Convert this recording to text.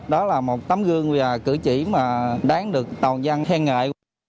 đó là một tấm gương và cử chỉ mà đáng được tàu dân khen ngại